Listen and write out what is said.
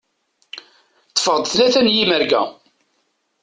Ṭṭfeɣ-d tlata n yimerga.